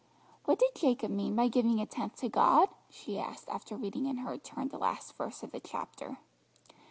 "What did Jacob mean by giving a tenth to God?" she asked after reading in her turn the last verse of the chapter.